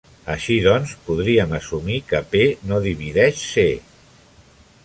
Així doncs, podríem assumir que "p" no divideix "c".